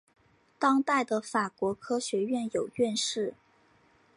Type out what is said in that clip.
当代的法国科学院有院士。